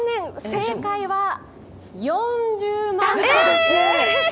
正解は４０万個です。